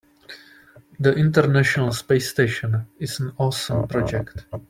The international space station is an awesome project.